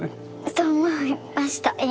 そう思いました今日。